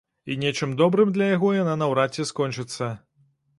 І нечым добрым для яго яна наўрад ці скончыцца.